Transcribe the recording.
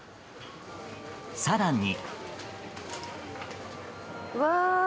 更に。